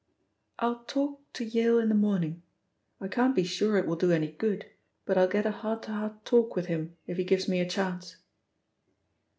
"I'll talk to Yale in the morning. I can't be sure it will do any good, but I'll get a heart to heart talk with him if he gives me a chance."